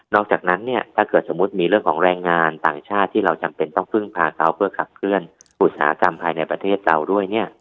อกจากนั้นเนี่ยถ้าเกิดสมมุติมีเรื่องของแรงงานต่างชาติที่เราจำเป็นต้องพึ่งพาเขาเพื่อขับเคลื่อนอุตสาหกรรมภายในประเทศเราด้วยเนี่ย